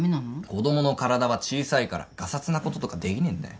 子供の体は小さいからがさつなこととかできねえんだよ。